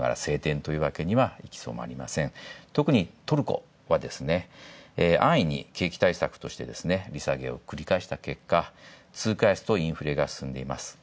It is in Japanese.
とくにトルコは、安易に形態策として利下げを繰り返した結果、通貨安とインフレが進んでいます。